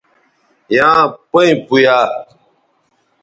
یاں پیئں پویا